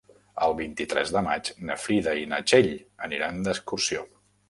El vint-i-tres de maig na Frida i na Txell aniran d'excursió.